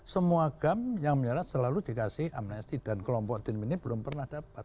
semua agama yang menyelamatkan selalu dikasih amnesti dan kelompok dinmini belum pernah dapat